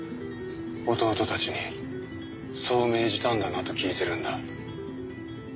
弟たちにそう命じたんだなと聞いてるんだ。